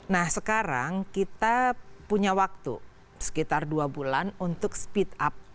nah sekarang kita punya waktu sekitar dua bulan untuk speed up